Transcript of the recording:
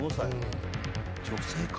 女性かな？